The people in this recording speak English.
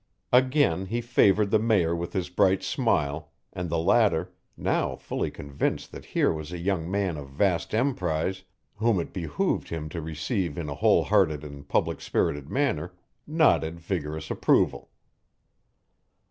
Again he favoured the Mayor with his bright smile, and the latter, now fully convinced that here was a young man of vast emprise whom it behooved him to receive in a whole hearted and public spirited manner, nodded vigorous approval.